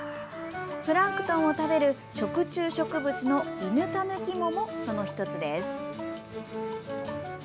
プランクトンを食べる食虫植物のイヌタヌキモも、その１つです。